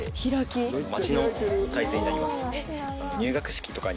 待ちの体勢になります。